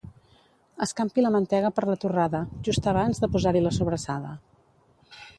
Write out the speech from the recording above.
Escampi la mantega per la torrada, just abans de posar-hi la sobrassada.